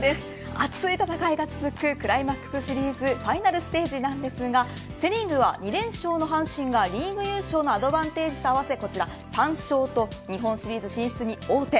熱い戦いが続くクライマックスシリーズファイナルステージですがセ・リーグは２連勝の阪神がリーグ優勝のアドバンテージと合わせ、こちら３勝と日本シリーズ進出に王手。